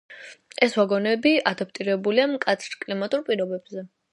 ეს ვაგონები ადაპტირებულია მკაცრ კლიმატურ პირობებზე.